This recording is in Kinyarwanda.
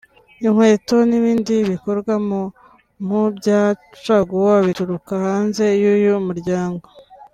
inkweto n’ibindi bikorwa mu mpu bya caguwa bituruka hanze y’uyu muryango